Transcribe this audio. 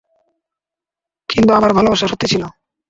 কিন্তু আমার ভালোবাসা সত্যি ছিল।